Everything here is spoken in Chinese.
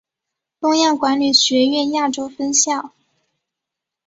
东亚管理学院亚洲分校。